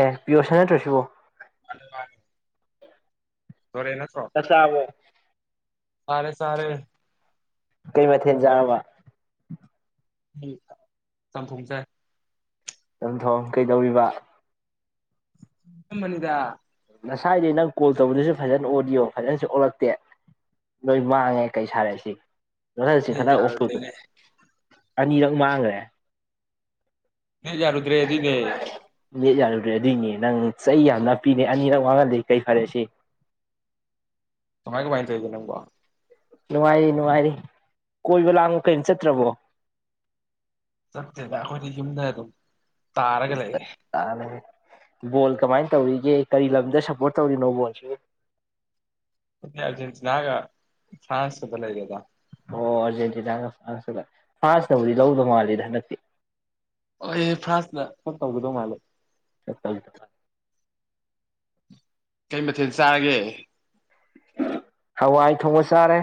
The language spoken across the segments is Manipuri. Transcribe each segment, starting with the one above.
ꯑꯦ ꯄꯌ ꯁꯅꯦ ꯅꯠꯇꯔ꯭ꯁꯨ ꯑꯗꯨ ꯂ [inaudible] ꯆꯥꯛ ꯆꯥꯔꯕꯣ ꯆꯥꯔꯦ ꯆꯥꯔꯦ ꯀꯩ ꯃꯊꯦꯜ ꯆꯥꯔꯕ ꯆꯝꯊꯣꯡ ꯆꯥꯏ ꯆꯝꯊꯣꯡ ꯀꯩꯗꯧꯔꯤꯕ ꯃꯨꯟꯗ ꯉꯁꯥꯏꯗꯤ ꯅꯪ ꯀꯣꯜ ꯇꯧꯕꯗꯁꯨ ꯐꯖꯅ ꯑꯣꯗꯤꯌꯣ ꯐꯖꯅꯁꯨ ꯑꯣꯜꯂꯛꯇꯦ ꯂꯣꯏ ꯃꯥꯡꯉꯦ ꯀꯩ ꯁꯥꯔꯦꯁꯤ ꯅꯦꯠ ꯈꯂ ꯑꯣꯄ꯭ꯔꯨ ꯌꯥꯔꯨꯗ꯭ꯔꯦꯅꯦ [unintelligible] ꯑꯅꯤꯔꯛ ꯃꯥꯡꯈ꯭ꯔꯦ ꯅ ꯌꯥꯔꯨꯗ꯭ꯔꯦ ꯑꯗꯨꯏꯅꯦ ꯅꯦꯠ ꯌꯥꯔꯨꯗ꯭ꯔꯦ ꯑꯗꯨꯏꯅꯦ ꯅꯪ ꯆꯩ ꯌꯥꯝꯅꯄꯤꯤꯅꯦ ꯑꯅꯤꯔꯛ ꯋꯥꯍꯗꯦ ꯀꯔꯤ ꯐꯔꯦ ꯁꯤ ꯀꯃꯥꯏ ꯀꯃꯥꯏꯅ ꯇꯧꯔꯤꯒꯦ ꯅꯪꯕꯣ ꯅꯨꯡꯉꯥꯏꯔꯤ ꯅꯨꯡꯉꯥꯏꯔꯤ ꯀꯣꯏꯕ ꯂꯥꯡꯕꯨ ꯀꯔꯤꯝ ꯆꯠꯇ꯭ꯔꯕꯣ ꯆꯠꯇꯦꯗꯥ ꯑꯈꯣꯌꯗꯤ ꯌꯨꯝꯗ ꯑꯗꯨꯝ ꯇꯥꯔꯒ ꯂꯩ ꯕꯣꯜ ꯀꯃꯥꯏꯅ ꯇꯧꯔꯤꯒꯦ ꯀꯔꯤ ꯂꯝꯗ ꯁꯞꯄꯣꯔꯠ ꯇꯧꯔꯤꯅꯣ ꯕꯣꯜꯁꯤ ꯁ ꯅꯅꯥꯒ ꯐ꯭ꯔꯥꯟꯁ ꯐꯂꯗꯦꯗ ꯑꯣ ꯑꯥꯔꯖꯦꯟꯇꯤꯅꯥꯂ ꯐ꯭ꯔꯥꯟꯁꯅꯕꯨꯗꯤ ꯂꯧꯗꯧ ꯃꯥꯂꯦꯗ ꯍꯟꯗꯛꯇꯤ ꯍ ꯐ꯭ꯔꯥꯟꯁꯅ ꯀ ꯇꯧꯒꯗꯧ ꯃꯥꯜꯂꯦ ꯆꯠꯄ ꯀꯩ ꯃꯊꯦꯜ ꯆꯥꯔꯒꯦ ꯍꯋꯥꯏ ꯊꯣꯡꯉ ꯆꯥꯔꯦ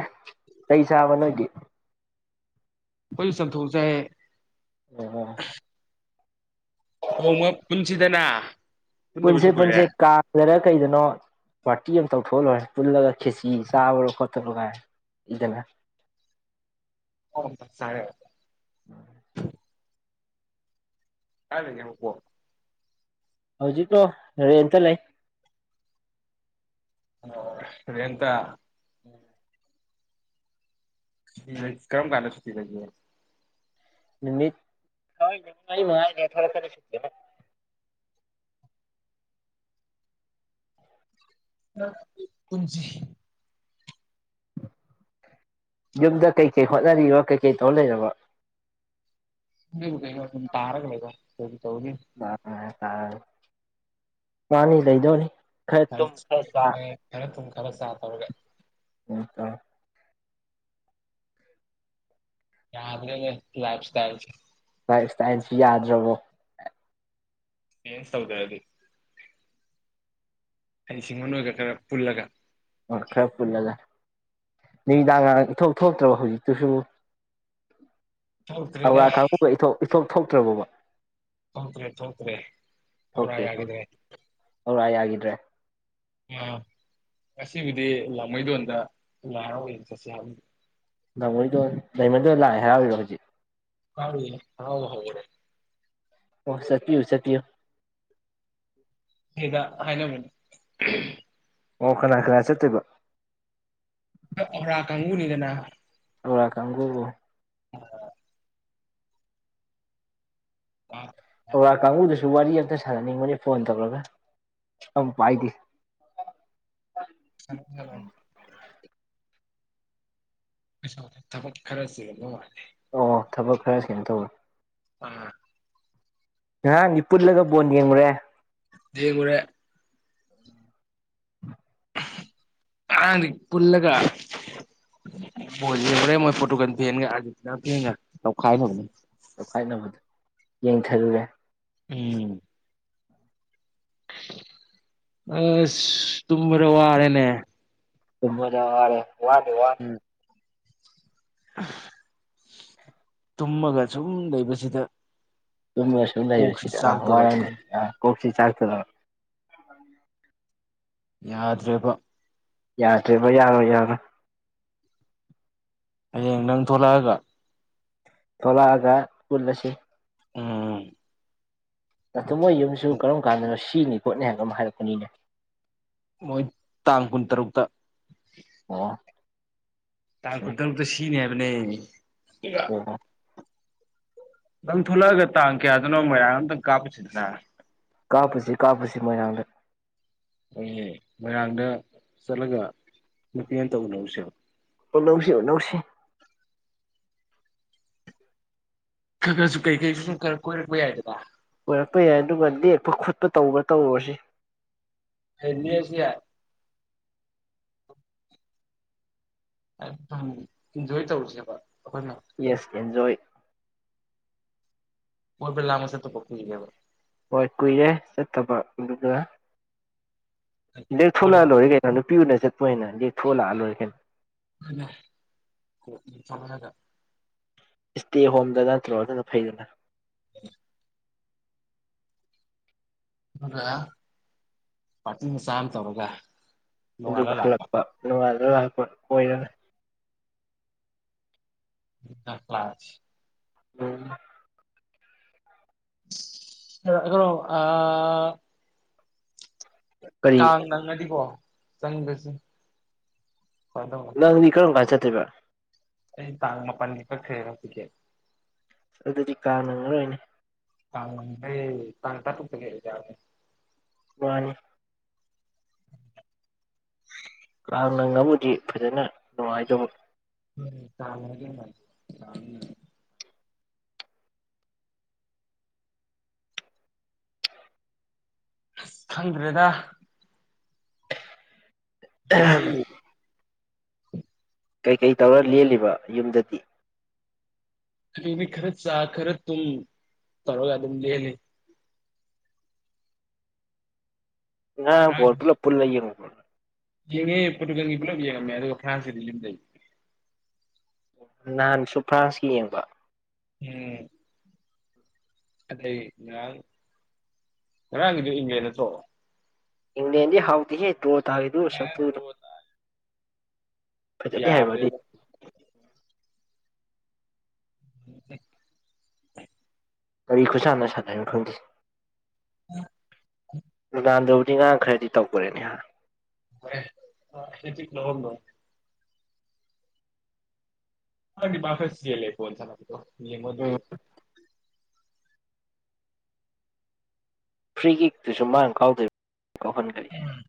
ꯀ ꯆꯥꯕ ꯅꯣꯏꯒꯤ ꯀꯣꯏ ꯁꯝꯊꯧꯕꯁꯥꯏꯦ ꯑꯣ ꯅꯣꯡꯃ ꯄꯨꯟꯁꯤꯗꯅ ꯄꯨꯟꯁꯦ ꯄꯨꯟꯗꯕꯁꯨ ꯀꯨꯏꯔꯦ ꯄꯨꯟꯁꯦ ꯀꯥꯥꯁ ꯃꯔꯔꯛ ꯀꯩꯗꯅꯣ ꯄꯥꯔꯇꯤ ꯑꯃ ꯇꯧꯊꯣꯛꯂꯣꯏꯔꯦ ꯄꯨꯜꯂꯒ ꯈꯦꯆ ꯆꯥꯕꯔꯣ ꯈꯣꯠꯇꯔꯣ ꯀꯥꯏ ꯏꯗꯅ ꯑꯣꯔꯦ ꯑꯗ ꯌꯦ ꯄ ꯍꯧꯖꯤꯛꯀꯣ ꯔꯦꯟꯇ ꯂꯩ ꯑꯦꯇ ꯎꯝ ꯎꯝ ꯀꯝ ꯀꯂꯁꯨ ꯂꯩ ꯅꯨꯃꯤ ꯍꯋꯥ ꯃꯥꯊꯔ ꯐꯔ ꯁ ꯄꯨꯟꯁꯤ ꯌꯨꯝꯗ ꯀꯩꯀꯩ ꯍꯣꯠꯅꯔꯤꯕ ꯀꯩꯀꯩ ꯇꯧ ꯂꯩꯔꯕ ꯀ ꯇꯔꯒ ꯂꯩꯒ ꯑ ꯑꯥ ꯄꯅꯤ ꯂꯩꯩꯗꯣꯅꯤ ꯈꯔꯦ ꯈꯔꯦ ꯀꯂꯁ ꯇꯔꯒꯦ ꯍꯀ ꯌꯥꯗꯦ ꯂꯥꯏꯐ ꯁꯇꯥꯏꯜ ꯄꯁꯇꯥꯏꯟꯁꯨ ꯌꯥꯗ꯭ꯔꯕꯣ ꯁ ꯇꯧꯖꯔꯗꯤ ꯍꯩꯁꯤꯡꯍ ꯑꯣꯏꯒ ꯈꯔ ꯄꯨꯜꯂꯒ ꯑꯣ ꯈꯔ ꯐꯨꯜꯂ ꯂ ꯅꯨꯃꯤꯗꯥꯡꯔ ꯏ ꯊꯣꯛꯣꯛ ꯊꯣꯛꯇ꯭ꯔꯕ ꯍꯧꯖꯤꯛꯇꯨꯁꯨ ꯊꯣꯛꯇ꯭ꯔꯦꯗ ꯑꯧꯔꯥ ꯈꯪ ꯏꯊꯣ ꯊꯣꯛ ꯊꯣꯛꯇ꯭ꯔꯕꯕ ꯊꯣꯇ꯭ꯔꯦ ꯊꯣꯇ꯭ꯔꯦ ꯍꯧ꯭ꯔ ꯍꯥꯏꯗꯦ ꯍꯧꯔ ꯌꯥꯈꯤꯗ꯭ꯔꯦ ꯑꯥ ꯉꯁꯤꯕꯨꯗꯤ ꯂꯥꯡꯃꯩꯗꯣꯟꯗ ꯂꯥꯏꯔꯥꯎꯌꯦ ꯆꯠꯁꯤ ꯍꯥꯏꯕ ꯃꯣꯏꯗꯣ ꯗꯥꯏꯃꯟꯗꯣ ꯂꯥꯛꯑꯦ ꯍꯥꯏꯔꯥꯎꯏꯕ ꯍꯧꯖꯤꯛ ꯀꯥ ꯍꯥꯎ ꯍꯥꯎ ꯑꯣ ꯁꯇꯌꯨ ꯆꯇꯌꯨ ꯍꯗ ꯍꯥꯏꯅ ꯑꯃꯅꯤ ꯑꯣ ꯀꯅꯥ ꯀꯅꯥ ꯆꯠꯇꯀ ꯔꯥ ꯀꯥꯡꯪꯕꯨꯨꯅꯤꯗꯅ ꯂꯧꯔꯥꯛ ꯀꯥꯡꯕꯨꯕꯨ ꯑꯣ ꯀ ꯀꯥꯡꯕꯨ ꯑꯗꯨ ꯋꯥꯔꯤ ꯑꯝꯇ ꯁꯥꯟꯅꯅꯤꯡꯕꯅꯤ ꯐꯣꯟ ꯇꯧꯔꯒ ꯑꯃꯨꯛ ꯄꯥꯏꯗꯤꯦ [unintelligible] ꯊꯕꯛꯈꯔ ꯆꯤꯟꯕ ꯋꯥꯅꯤ ꯑꯣ ꯊꯕꯛ ꯈꯔꯁꯤꯅ ꯇꯧꯋꯤ ꯑ ꯅꯍꯥꯟꯅꯤ ꯄꯨꯜꯂꯒ ꯕꯣꯟ ꯌꯦꯡꯉꯨꯔꯦ ꯗ ꯀꯔ ꯑꯉꯥꯡꯗꯤ ꯄꯨꯜꯂꯒ ꯃꯣ ꯍꯣꯔꯦꯟ ꯃꯣꯏ ꯐꯣꯇꯨ ꯀ ꯐꯦꯟꯒ ꯑꯥꯤ ꯐꯦꯟꯒ ꯇꯧꯈꯥꯏꯅꯕꯅꯦ ꯇꯣꯈꯥꯏꯅꯕꯗ ꯌꯦꯡꯊꯔꯨꯔꯦ ꯎꯝ ꯑꯁ ꯇꯨꯝꯔ ꯋꯥꯔꯦꯅꯦ ꯃꯖꯥ ꯋꯥꯔꯦ ꯋꯥꯗ ꯋꯥ ꯇꯨꯝꯃꯒ ꯁꯨꯝ ꯂꯩꯕꯁꯤꯗ ꯇ ꯁꯨꯝꯥꯏꯕ ꯀꯣꯛꯁꯤ ꯁꯤꯠ ꯋꯥꯔ ꯆꯥꯛꯇꯣꯔꯕꯅꯦ ꯀꯣꯛꯁꯤ ꯆꯥ ꯇꯔ ꯌꯥꯗ꯭ꯔꯦꯕ ꯌꯥꯗ꯭ꯔꯦꯕ ꯌꯥꯔꯣꯏ ꯌꯥꯔꯣꯏ ꯍꯌꯦꯡ ꯅꯪ ꯊꯣꯛꯂꯛꯑꯒ ꯊꯂꯑꯒ ꯀꯂꯁꯤ ꯑꯝ ꯅꯠꯇ ꯃꯣꯏ ꯌꯨꯝꯁꯨ ꯀꯔꯝ ꯀꯥꯟꯅꯣꯁꯤ ꯁꯤꯅꯤ ꯈꯣꯠꯅꯦ ꯍꯥꯏꯕ ꯑꯃ ꯍꯥꯏꯔꯛꯄꯅꯤꯅꯦ ꯃꯣꯏ ꯇꯥꯡ ꯀꯨꯟꯇꯔꯨꯛꯇ ꯑ ꯇꯥꯡ ꯇ ꯁꯤꯅꯦ ꯑꯗꯨ ꯑꯣ ꯅꯪ ꯊꯣꯛꯂꯛꯑꯒ ꯇꯥꯡ ꯀꯌꯥꯗꯅꯣ ꯃꯔꯥꯡ ꯑꯝꯇꯪ ꯀꯥꯞꯄꯁꯤꯗꯅ ꯀꯥꯞꯄꯨꯁꯤ ꯀꯥꯞꯄꯁꯤ ꯃꯣꯏꯔꯥꯡꯗ ꯑꯩ ꯃꯣꯏꯔꯥꯡꯗ ꯆꯠꯂꯒ ꯅꯨꯄꯤꯦꯡꯅ ꯇꯧꯅꯔꯁꯦꯕ ꯅꯧꯁꯤ ꯅꯧꯁꯤ ꯈ ꯈꯁꯨ ꯀꯩ ꯀꯩꯁꯨ ꯁꯨꯝ ꯈꯔ ꯀꯣꯏꯔꯛꯄ ꯌꯥꯏꯗ ꯑꯣꯏꯔꯛꯄ ꯌꯥꯏ ꯑꯗꯨꯒ ꯂꯦꯛꯄ ꯈꯣꯠꯄ ꯇꯧꯕ ꯇꯧꯔꯨꯔꯁꯤ ꯍꯅꯤ ꯑꯁꯤ ꯍꯥꯏ ꯣꯏ ꯇꯧꯁꯦꯕ ꯑꯩꯈꯣꯏꯅ ꯌꯦꯁ ꯑꯦꯟꯖꯣꯌ ꯃꯕ ꯂ ꯑꯃ ꯁꯦꯠꯇ ꯄꯣꯛꯄꯦꯕ ꯍꯣꯏ ꯀꯨꯏꯔꯦ ꯆꯠꯇꯕ ꯗꯦ ꯊꯣꯂ ꯕꯣꯔꯤꯡ ꯂꯣꯏꯔ ꯀꯩꯩꯅꯅꯅꯤ ꯄꯤꯁꯦ ꯄꯣꯏꯅ ꯊꯣꯂ ꯑꯂꯣꯈꯩꯅ [unintelligible] [unintelligible] ꯏꯁꯇꯦ ꯍꯣꯝꯗ ꯅꯠꯇ꯭ꯔꯣꯅ ꯐꯩꯗꯅ [unintelligible] ꯍ ꯄꯠꯅ ꯁꯥꯟꯝ ꯇꯧꯔꯒ ꯑꯗꯨ ꯅꯣꯡꯉꯥꯜꯂ ꯂꯥꯛꯄ ꯈꯜꯂꯛꯄꯅꯨꯡꯥꯏ ꯑꯗꯨ ꯂꯔꯅ ꯀ꯭ꯂꯥꯁ ꯎꯝ ꯍ ꯀꯩꯅꯣ ꯑ ꯀꯔꯤ ꯀꯉꯥꯏꯗꯤꯀ ꯆꯪꯕꯦꯁ ꯅꯪ ꯃꯤꯅꯤ ꯀ ꯉꯆ ꯀꯩꯕ ꯑꯩ ꯇꯥꯡ ꯃꯥꯄꯜꯒꯤ ꯀꯛꯈ꯭ꯔꯦꯔꯁꯤꯒꯦ ꯑꯗꯨꯗꯤ ꯀꯥꯅꯉ ꯑꯩꯅ ꯦ ꯆꯪ ꯇ ꯇꯛꯇ ꯃꯥꯅꯤ ꯂꯥꯟꯅ ꯉꯝꯃꯨꯗꯤ ꯐꯖꯅ ꯅꯨꯡꯉꯥꯏꯗꯧꯕ ꯝ ꯆꯥꯔꯒ ꯃꯥ ꯑ ꯈꯗ꯭ꯔꯦꯗ ꯑꯗꯨꯁ ꯀꯩꯀꯩ ꯇꯧꯔ ꯂꯦꯜꯂꯤꯕ ꯌꯨꯝꯗꯗꯤ ꯑ ꯈꯔ ꯆ ꯈꯔ ꯇ ꯇꯔꯒ ꯑꯗꯨꯝ ꯂ ꯂꯩ ꯑꯔꯇꯂ ꯄꯨꯜ ꯂꯩꯣ [inaudible] ꯌꯦꯉꯨ ꯄꯨ꯭ꯂ ꯉ ꯐ꯭ꯔꯥꯟꯁ ꯅꯍꯥꯟꯁꯨ ꯐ꯭ꯔꯥꯟꯁꯀꯤ ꯌꯦꯡꯕ ꯎꯝ ꯑꯗꯩ ꯉꯔꯥꯡ ꯉꯔꯥꯡꯒꯤꯗ ꯏꯪꯉꯦ ꯅꯠꯇ꯭ꯔꯣ ꯏꯅꯦꯦꯟ ꯍꯥꯎꯗꯤ ꯍꯦ ꯇꯣ ꯊꯥꯏꯗꯨ ꯆꯇꯨꯔ ꯌꯥꯗꯦ [inaudible] ꯀꯔꯤ ꯈꯨꯁꯥꯅ ꯁꯥꯟꯅꯅꯣ ꯈꯪꯗꯦ [unintelligible] ꯉꯥꯡ ꯈꯔꯗꯤ ꯇꯧꯈꯔꯦꯅꯦꯍ [unintelligible] [inaudible] ꯃꯥ ꯐꯁꯤ ꯂꯩ ꯐꯣꯟ ꯊ ꯌꯦ ꯎꯝ ꯃꯗꯨꯒ ꯐ꯭ꯔꯤꯒꯤꯛꯇꯨꯁꯨ ꯃꯥꯅ ꯀꯥꯎꯗꯣꯏ ꯑꯍꯟ ꯀꯔꯤ ꯎꯝ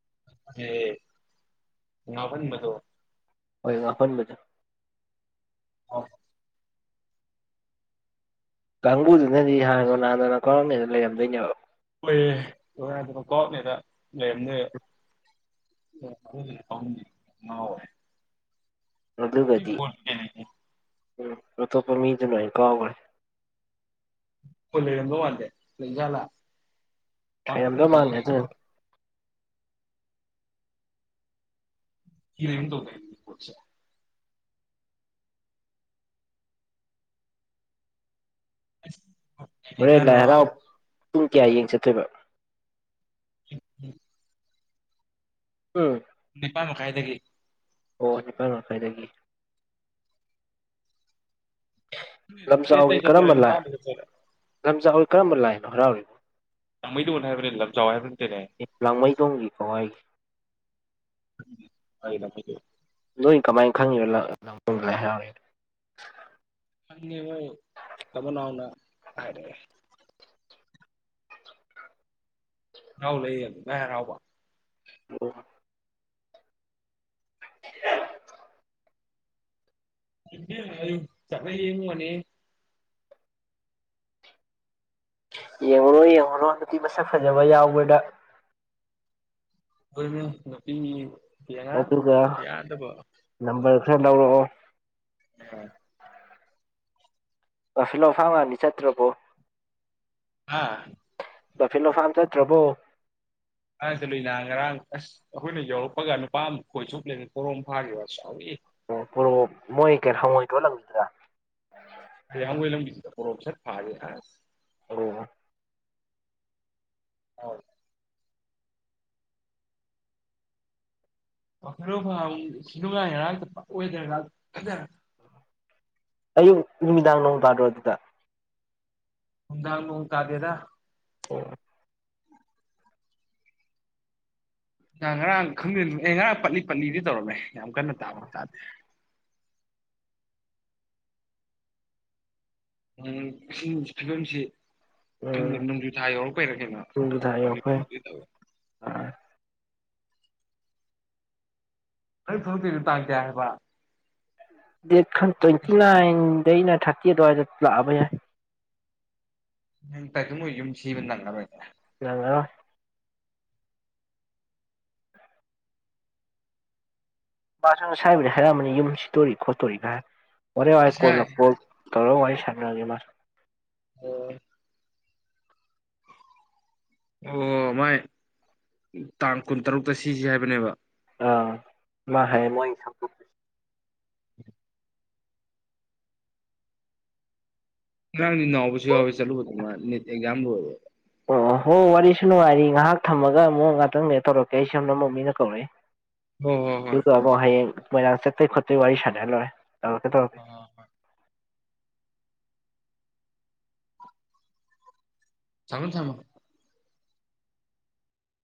[unintelligible] [inaudible] ꯑꯣꯏꯕꯖꯥ ꯑ ꯀꯥꯡꯕꯨꯗꯨꯅꯗꯤ ꯍꯥꯟꯅꯣ ꯅꯍꯥꯟꯗꯅ ꯀꯧꯔꯝꯃꯦꯗꯅ ꯂꯩꯔꯝꯗꯣꯏꯅꯦꯕ ꯂꯣꯏꯑꯦ ꯂꯗꯅꯀꯣꯅꯦꯗ ꯂꯩꯔꯝꯅꯦꯗꯤ ꯌꯥꯝ ꯉꯥꯎꯋꯦ ꯑꯗꯨꯒꯗꯤ [unintelligible] ꯎꯝ ꯑꯣꯇꯣꯞꯄ ꯃꯤꯗ ꯅꯣꯏ ꯀꯋꯥꯒꯔ ꯍꯂꯔꯝꯕ ꯋꯥꯗꯦꯖꯂ ꯊꯗ ꯃꯥꯥꯡꯒꯦꯁ [unintelligible] [inaudible] ꯍꫭꯔꯦꯟ ꯂꯥꯏ ꯀꯩꯗꯩꯖꯥꯠꯅꯣ ꯌꯥꯔꯧꯕ ꯄꯨꯡ ꯀꯌꯥ ꯌꯦꯡ ꯆꯠꯇ꯭ꯣꯏꯕ꯫ ꯎꯝ ꯎꯝ ꯎꯝ ꯅꯤꯄꯥ ꯃꯈꯥꯏꯗꯒꯤ ꯑꯣ ꯅꯤꯄꯥꯥꯟ ꯃꯈꯥꯏꯗꯒꯤ꯫ ꯂꯝꯖꯥꯎꯒꯤ ꯇꯔꯦꯠꯇꯩ ꯆꯠꯇꯣꯏꯔꯦ ꯀꯔꯝꯕ ꯂꯥꯏ ꯅꯤꯄꯥꯟꯗ ꯆꯠꯇꯣꯏꯔꯦ ꯂꯝꯖꯥꯎꯒꯤ ꯀꯔꯝꯕ ꯂꯥꯏꯅꯣ ꯍꯔꯥꯎꯔꯤꯅꯣ ꯂꯥꯡꯃꯩꯗꫭꯟ ꯍꯥꯏꯕꯅꯦ ꯂꯝꯖꯥꯎ ꯍꯥꯏꯕ ꯅꯠꯇꯦꯅꯦ꯫ ꯂꯥꯡꯃꯩꯗꯣꯡꯒꯤ ꯀꯋꯥꯏꯒꯤ [unintelligible] [inaudible] ꯅꯣꯏ ꯀꯃꯥꯏꯅ ꯈꯪꯉꯤꯕ [unintelligible] ꯪꯉ ꯇꯕꯅꯥꯎꯅ ꯍꯥꯏꯔꯛꯑꯦ ꯔꯥꯎ ꯂꯩ ꯉꯔꯥꯎꯕ ꯑꯣ [inaudible] [unintelligible] [unintelligible] [inaudible] ꯌꯦꯡꯉꯨꯔꯣ ꯌꯦꯡꯉꯨꯔꯣ ꯅꯨꯄꯤ ꯃꯁꯛ ꯐꯖꯕ ꯌꯥꯎꯕꯗ [unintelligible] [inaudible] ꯌꯦꯉ ꯑꯗꯨꯒ ꯌꯥꯗꯕꯣ ꯅꯝꯕꯔ ꯈꯔ ꯂꯧꯔꯛꯑꯣ꯫ ꯎ꯫ ꯑꯐꯤꯜ ꯂꯣ ꯐꯥꯡꯉꯅꯤ ꯆꯠꯇ꯭ꯔꯕꯣ꯫ ꯍꯥ ꯉꯔꯥꯡ ꯗꯐꯤꯂꯣ ꯐꯥꯝ ꯆꯠꯇꯔ꯭ꯕꯣ꯫ ꯑꯗ ꯂꯨꯅꯥ ꯉꯔꯥꯡ ꯑꯁ ꯑꯩꯈꯣꯏꯅ ꯌꯧꯔꯛꯄꯒ ꯅꯨꯄꯥ ꯑꯃ ꯈꯣꯏ ꯆꯣꯞꯄꯒ ꯂꯩꯔꯝꯃꯦ ꯄꯣꯔꯣꯝ ꯐꯥꯈꯤꯕꯁꯨ ꯆꯥꯎꯎꯏꯦ꯫ ꯑꯣ ꯄꯨꯔꯣ ꯃꯣꯏ ꯍꯪꯉꯣꯏꯗꯣꯏ ꯂꯪꯈꯤꯗ꯭ꯔꯥ꯫ ꯍꯪꯌꯥꯡꯒꯣꯏ ꯂꯪꯕꯁꯤꯗ ꯄꯣꯔꯣꯛꯞ ꯁꯠ ꯐꯥꯒꯦ ꯑꯁ꯫ ꯑꯣ꯫ ꯍ꯫ ꯗꯥꯐꯤꯂꯣ ꯅꯨꯡꯉꯥꯏ ꯉꯔꯥꯡ ꯉꯥꯛꯇꯑꯣꯗ꯭ꯔ ꯉꯥꯛ ꯐ꯫ ꯑꯌꯨꯛ ꯅꯨꯃꯤꯗꯥꯡ ꯅꯣꯡ ꯇ꯭ꯗꯔꯣ ꯑꯗꯨꯗ꯫ ꯅꯨꯡꯗꯥꯡ ꯅꯣꯡ ꯇꯥꯗꯦꯗꯥ꯫ ꯑꯣꯝ꯫ ꯉꯔꯥꯡ ꯉꯔꯥꯡ ꯈꯪꯗ ꯑꯦ ꯉꯔꯥꯡ ꯄꯠꯅꯤ ꯄꯠꯅꯤꯗꯤ ꯇꯧꯔꯝꯃꯦ ꯌꯥꯝ ꯀꯟꯅ ꯇꯥꯗꯤ ꯇꯥꯗꯦ ꯫ ꯎꯝ ꯐꯤꯕꯝꯁꯤ꯫ ꯈꯪꯗꯦ ꯎꯝ ꯅꯣꯡꯖꯨ ꯊꯥ ꯌꯧꯔꯛꯄꯒꯤꯔ ꯀꯩꯅꯣ ꯑꯗꯨꯗ ꯄꯠꯂꯤ ꯑꯩꯈꯣꯏ ꯄꯠꯂꯤꯗꯤ ꯇꯧꯋꯦ꯫ ꯅꯪꯅ ꯊꯣꯛꯂꯛꯇꯨꯏꯗꯣ ꯇꯥꯡ ꯀꯌꯥ ꯍꯥꯏꯕꯥ꯫ ꯗꯦꯠ ꯈ ꯇ꯭ꯋꯦꯟꯇꯤ ꯅꯥꯏꯟꯗꯩꯅ ꯊꯥꯔꯇꯤ ꯑꯗꯨꯋꯥꯏꯗ ꯂꯥꯛꯑꯕ ꯌꯥꯏ꯫ ꯅꯪ ꯇꯥꯏꯇ ꯃꯣꯏ ꯌꯨꯝ ꯁꯤꯕ ꯅꯪꯉꯔꯣꯏꯅꯦ꯫ ꯅꯪꯉꯔꯣꯏ꯫ ꯃꯥꯁꯨ ꯅꯁꯥꯏꯕꯨꯗꯤ ꯍꯥꯏꯔꯛꯑꯝꯅꯤ ꯌꯨꯝ ꯁꯤꯗꯣꯔꯤ ꯈꯣꯠꯇꯣꯔꯤ ꯚꯥꯏ꯫ ꯍꯣꯔꯦꯟ ꯋꯥꯏ ꯀꯣꯟꯅꯥ ꯉꯁꯥꯏ ꯐꯣꯟ ꯇꯧꯔꯁ꯫ ꯍꯟꯒꯒꯦ ꯃꯁꯨ꯫ ꯑꯣ꯫ ꯑꯣ ꯃꯥꯏ ꯇꯥꯡ ꯀꯨꯟꯇꯔꯨꯛꯇ ꯁꯤꯁꯤ ꯍꯥꯏꯕꯅꯦꯕ꯫ ꯑ ꯃꯥ ꯍꯥꯌꯦ꯫ ꯉꯔꯥꯡꯗꯤ ꯅꯥꯑꯣꯕꯥ ꯁꯨ ꯌꯥꯑꯣꯔꯤ ꯅꯤꯠ ꯑꯓꯥꯝ ꯂꯣꯏꯕꯒꯤ꯫ ꯑꯣ ꯍꯣꯏ ꯋꯥꯔꯤꯁꯨ ꯅꯨꯡꯉꯥꯏꯔꯤ ꯉꯥꯏꯍꯥꯛ ꯊꯝꯃꯒ ꯑꯃꯨꯛ ꯉꯥꯛꯇꯪꯅꯦ ꯇꯧꯔꯛꯀꯦ ꯑꯩ ꯁꯣꯝꯗ ꯃꯤꯅ ꯑꯃꯨꯛ ꯍꯣ ꯍꯣ ꯍꯣꯏ ꯀꯧꯔꯛꯏ꯫ ꯇ ꯑꯕꯣ ꯍꯥꯏꯌꯦꯡ꯫ ꯃꯣꯏꯔꯥꯡ ꯆꯇꯄꯩ ꯈꯣꯠꯄꯩ ꯋꯥꯔꯤ ꯁꯥꯟꯅꯍ ꯂꯣꯏ꯫ ꯇꯧꯔꯛꯀꯦ ꯇꯧꯔꯛꯀꯦ꯫ ꯍꯣ ꯍꯣ ꯍꯣꯏ ꯊꯝꯃꯣ ꯊꯝꯃꯣ ꯫